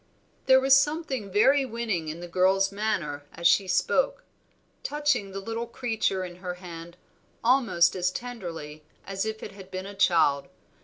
There was something very winning in the girl's manner as she spoke, touching the little creature in her hand almost as tenderly as if it had been a child.